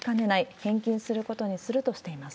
返金することにするとしています。